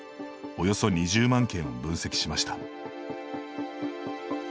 およそ２０万件を分析しました。